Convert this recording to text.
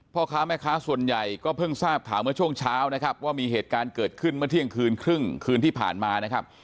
พ่อค้าแม่ค้าส่วนใหญ่ก็เพิ่งทราบข่าวเมื่อช่วงเช้านะครับว่ามีเหตุการณ์เกิดขึ้นเมื่อเที่ยงคืนครึ่งคืนที่ผ่านมานะครับ